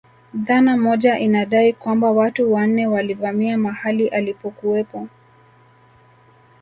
Dhana moja inadai kwamba watu wanne walivamia mahali alipokuwepo